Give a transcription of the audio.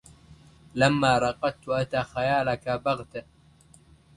لما رقدت أتى خيالك بغتة